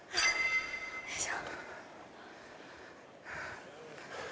よいしょ。